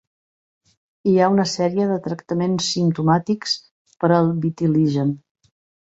Hi ha una sèrie de tractaments simptomàtics per al vitiligen.